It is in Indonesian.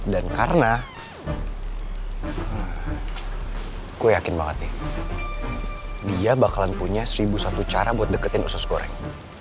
dan karena gue yakin banget nih dia bakalan punya seribu satu cara buat deketin usus goreng